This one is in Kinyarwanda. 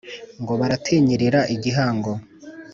Ngo baratinyirira igihango !